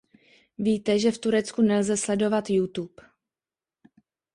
Víte, že v Turecku nelze sledovat YouTube.